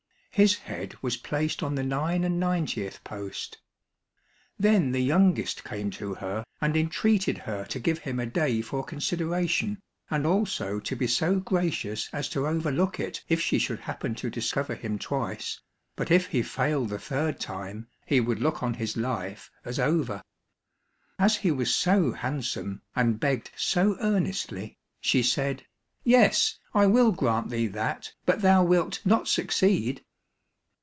His head was placed on the nine and ninetieth post. Then the youngest came to her and entreated her to give him a day for consideration, and also to be so gracious as to overlook it if she should happen to discover him twice, but if he failed the third time, he would look on his life as over. As he was so handsome, and begged so earnestly, she said, "Yes, I will grant thee that, but thou wilt not succeed."